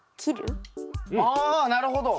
あなるほど。